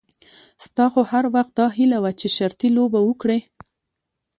ستا خو هر وخت داهیله وه چې شرطي لوبه وکړې.